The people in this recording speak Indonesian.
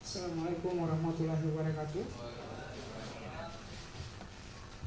assalamualaikum wr wb